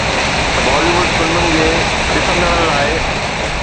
بالي wood فلمن جي ڏسندڙن لاء